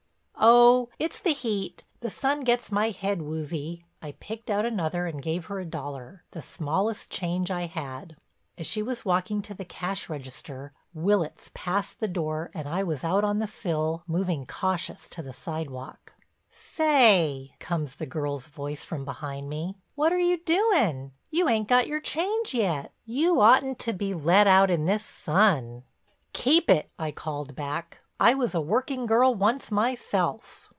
"Oh—it's the heat; the sun gets my head woozy." I picked out another and gave her a dollar, the smallest change I had. As she was walking to the cash register, Willitts passed the door and I was out on the sill, moving cautious to the sidewalk. "Say," comes the girl's voice from behind me, "what are you doin'? You ain't got your change yet. You'd oughtn't to be let out in this sun." "Keep it," I called back. "I was a working girl once myself."